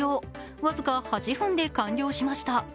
僅か８分で完了しました。